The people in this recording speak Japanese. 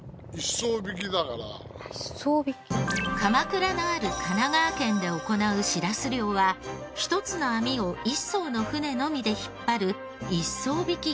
鎌倉がある神奈川県で行うしらす漁は１つの網を１艘の船のみで引っ張る一艘曳き